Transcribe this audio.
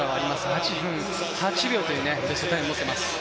８分８秒というベストタイムを持っています。